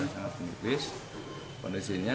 sangat menipis kondisinya